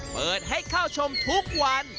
เปิดให้เข้าชมทุกวัน